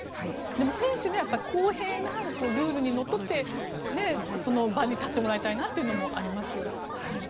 選手には公平なルールにのっとってその場に立ってもらいたいなというのもあります。